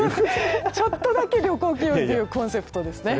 ちょっとだけ旅行気分というコンセプトですからね。